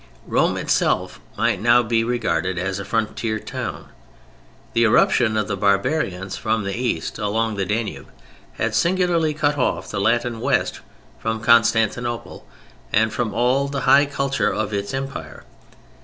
Rome itself might now be regarded as a frontier town. The eruption of the barbarians from the East along the Danube had singularly cut off the Latin West from Constantinople and from all the high culture of its Empire.